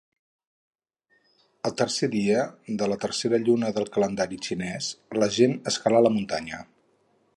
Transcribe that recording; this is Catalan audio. El tercer dia de la tercera lluna del calendari xinès, la gent escala la muntanya.